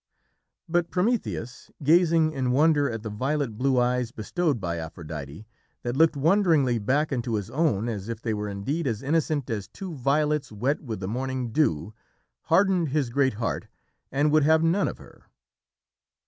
But Prometheus, gazing in wonder at the violet blue eyes bestowed by Aphrodite, that looked wonderingly back into his own as if they were indeed as innocent as two violets wet with the morning dew, hardened his great heart, and would have none of her.